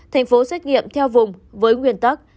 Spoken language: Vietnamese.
thành phố xét nghiệm theo vùng với nguyên tắc